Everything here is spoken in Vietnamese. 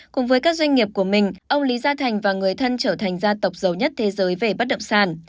cùng với các doanh nghiệp của mình ông lý gia thành và người thân trở thành gia tộc giàu nhất thế giới về bất động sản